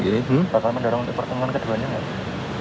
pak salman dorong untuk pertemuan kedua duanya nggak